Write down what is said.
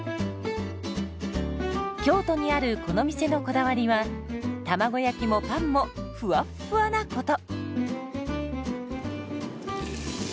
京都にあるこの店のこだわりは卵焼きもパンもふわっふわなこと。